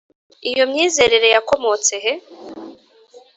iyo myizerere yakomotse he?